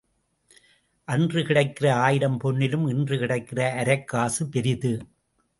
அன்று கிடைக்கிற ஆயிரம் பொன்னிலும் இன்று கிடைக்கிற அரைக்காசு பெரிது.